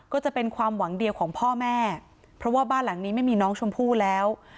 ก็จะเป็นความหวังเดียวของพ่อแม่เพราะว่าบ้านหลังนี้ไม่มีน้องชมพู่แล้ว